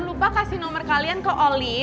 kalau boy itu udah gak ada menang sama dia